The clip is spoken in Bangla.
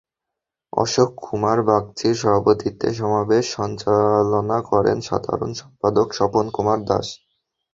অশোক কুমার বাগচির সভাপতিত্বে সমাবেশ সঞ্চালনা করেন সাধারণ সম্পাদক স্বপন কুমার দাস।